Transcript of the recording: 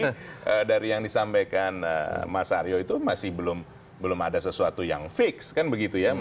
tapi dari yang disampaikan mas aryo itu masih belum ada sesuatu yang fix kan begitu ya